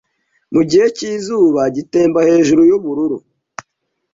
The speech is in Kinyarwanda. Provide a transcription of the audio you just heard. Mugihe cyizuba gitemba hejuru yubururu